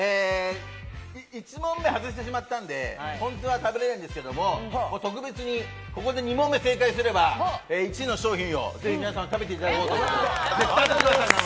１問目、外してしまったので本当は食べられないんですけども特別にここで２問目正解すれば１位の商品をぜひ皆さんに食べていただこうと。